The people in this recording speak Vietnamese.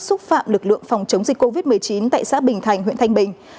xúc phạm lực lượng phòng chống dịch covid một mươi chín tại xã bình thành huyện thanh bình